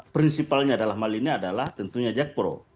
prinsipalnya adalah malinnya adalah tentunya jack pro